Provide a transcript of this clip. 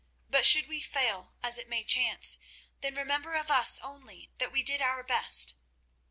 But should we fail, as it may chance, then remember of us only that we did our best.